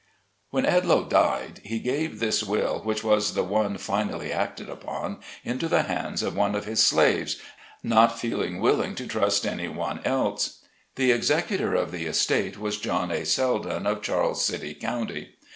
When Edloe died, he gave this will, which was the one finally acted upon, into the hands of one of his slaves, not feeling willing to trust any oneelse. The Executor of the estate was John A. Seldon, of Charles City County.